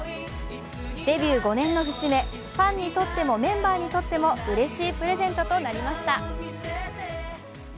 デビュー５年の節目、ファンにとってもメンバーにとってもうれしいプレゼントとなりました。